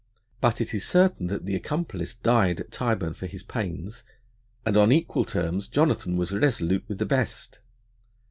But it is certain that the accomplice died at Tyburn for his pains, and on equal terms Jonathan was resolute with the best.